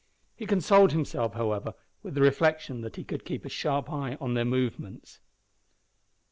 He consoled himself, however, with the reflection that he could keep a sharp eye on their movements.